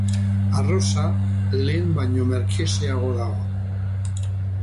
Arroza lehen baino merkexeago dago.